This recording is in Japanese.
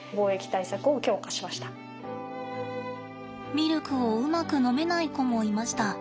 ミルクをうまく飲めない子もいました。